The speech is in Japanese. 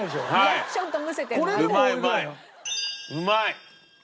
うまい！